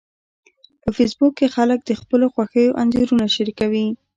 په فېسبوک کې خلک د خپلو خوښیو انځورونه شریکوي